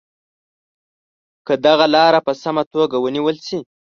که دغه لاره په سمه توګه ونیول شي.